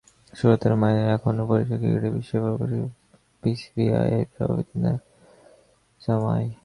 গুরুনাথ মাইয়াপ্পনের আরও একটি পরিচয়—ক্রিকেট-বিশ্বের প্রভাবশালী ব্যক্তিত্ব বিসিসিআইয়ের সভাপতি নারায়ণস্বামী শ্রীনিবাসনের জামাই।